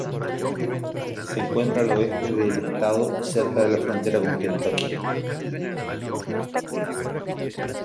Se encuentra al oeste del estado, cerca de la frontera con Kentucky.